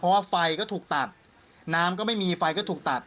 เพราะว่าไฟก็ถูกตัดน้ำก็ไม่มีไฟก็ถูกตัด